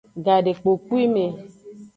Gadekpokpwime.